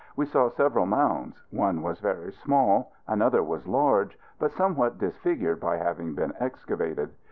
We saw several mounds. One was very small. Another was large, but somewhat disfigured by having been excavated.